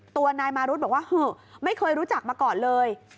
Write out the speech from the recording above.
ตัวนายมารุธบอกว่าเหอะไม่เคยรู้จักมาก่อนเลย